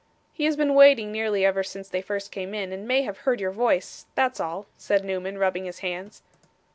'He has been waiting nearly ever since they first came in, and may have heard your voice that's all,' said Newman, rubbing his hands.